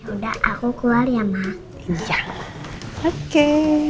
udah aku keluar ya mak